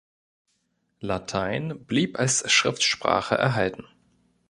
Latein blieb als Schriftsprache erhalten.